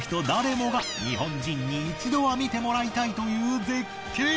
誰もが日本人に一度は見てもらいたいという絶景！